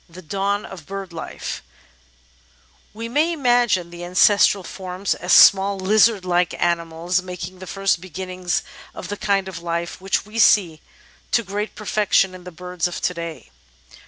The Dawn of Bird Life We may imagine the ancestral forms as small lizard like animals, making the first beginnings of the kind of life which we see to great perfection in the birds of to day.